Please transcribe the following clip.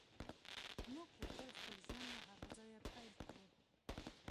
موږ غوښتل خپل ژوند له هغه ځایه پیل کړو